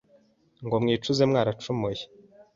Ngo mwicuze mwaracumuye